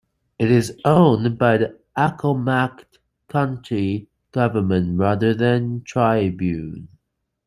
It is owned by the Accomack County government rather than Tribune.